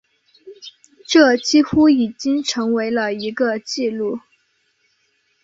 这几乎已经成为了一个记录。